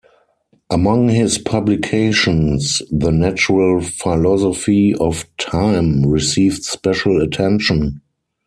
Among his publications, "The Natural Philosophy of Time" received special attention.